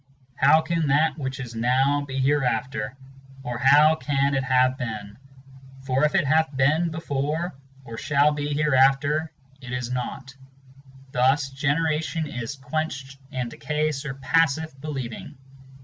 How can that which is now be hereafter, or how can it have been? For if it hath been before, or shall be hereafter, it is not: C Parmenides. Thus generation is quenched and decay surpasseth believing.